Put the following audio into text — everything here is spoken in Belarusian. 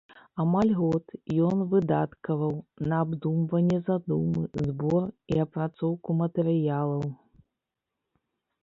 Амаль год ён выдаткаваў на абдумванне задумы, збор і апрацоўку матэрыялаў.